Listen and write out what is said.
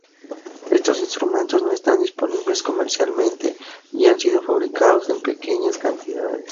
Estos instrumentos no están disponibles comercialmente y han sido fabricados en muy pequeñas cantidades.